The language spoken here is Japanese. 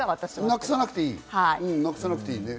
なくさなくていいね。